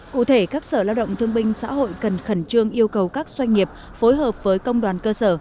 cụ thể các sở lao động thương binh xã hội cần khẩn trương yêu cầu các doanh nghiệp phối hợp với công đoàn cơ sở